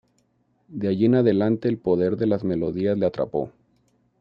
De allí en adelante el poder de las melodías le atrapó.